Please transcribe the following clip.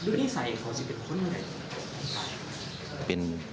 ด้วยนิสัยเขาจะเป็นคนยังไง